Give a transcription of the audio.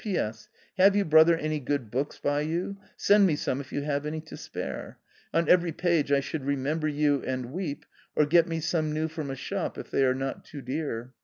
"P.S. — Have you, brother, any good books by you? Send me some if you have any to spare ; on every page I should remember you and weep, or get me some new from a shop, if they are not dear.